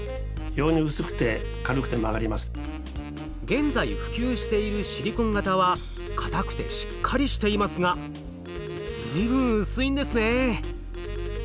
現在普及しているシリコン型は硬くてしっかりしていますが随分薄いんですね。